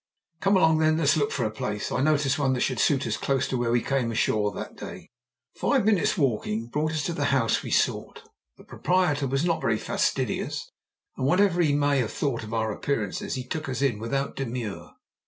"Come along, then. Let's look for a place. I noticed one that should suit us close to where we came ashore that day." Five minutes' walking brought us to the house we sought. The proprietor was not very fastidious, and whatever he may have thought of our appearances he took us in without demur.